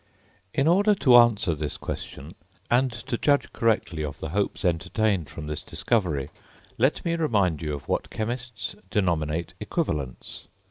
In order to answer this question, and to judge correctly of the hopes entertained from this discovery, let me remind you of what chemists denominate "equivalents."